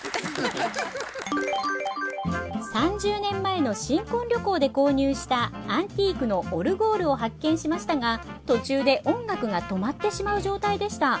３０年前の新婚旅行で購入したアンティークのオルゴールを発見しましたが途中で音楽が止まってしまう状態でした。